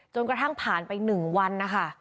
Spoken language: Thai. จนกระทั่งผ่านไปหนึ่งวันนะคะ